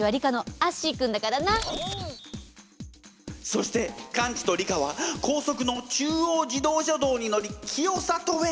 そしてカンチとリカは高速の中央自動車道に乗り清里へ。